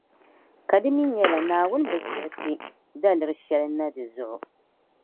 Ka di mi nyɛla Naawuni bi siɣisi daliri shεli na di zuɣu.